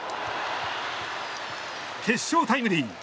決勝タイムリー。